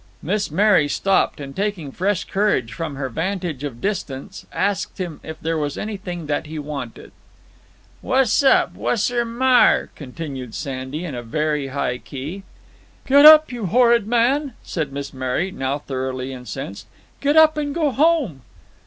Miss Mary stopped, and, taking fresh courage from her vantage of distance, asked him if there was anything that he wanted. "Wass up? Wasser maar?" continued Sandy, in a very high key. "Get up, you horrid man!" said Miss Mary, now thoroughly incensed; "get up, and go home."